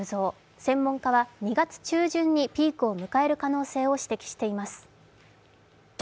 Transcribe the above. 専門家は２月中旬にピークを迎える可能性を指摘しています。